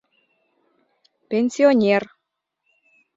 Пенсионер.